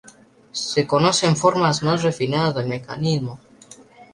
Se conocen formas más refinadas del mecanismo.